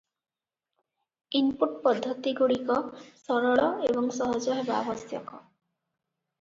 Input ପଦ୍ଧତିଗୁଡ଼ିକ ସରଳ ଏବଂ ସହଜ ହେବା ଆବଶ୍ୟକ ।